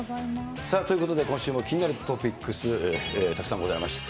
ということで、今週も気になるトピックス、たくさんございました。